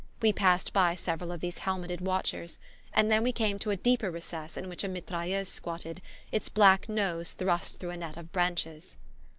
We passed by several of these helmeted watchers, and now and then we came to a deeper recess in which a mitrailleuse squatted, its black nose thrust through a net of branches.